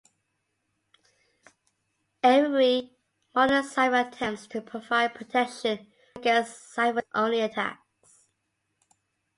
Every modern cipher attempts to provide protection against ciphertext-only attacks.